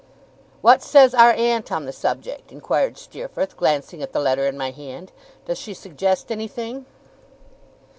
'What says our aunt on the subject?' inquired Steerforth, glancing at the letter in my hand. 'Does she suggest anything?